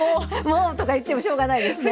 もうとか言ってもしょうがないですね。